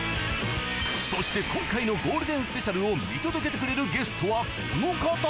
そして今回のゴールデンスペシャルを見届けてくれるゲストはこの方！